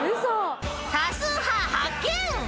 ［多数派発見。